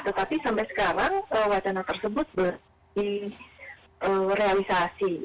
tetapi sampai sekarang wacana tersebut direalisasi